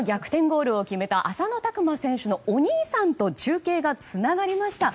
ゴールを決めた浅野拓磨選手のお兄さんと中継がつながりました。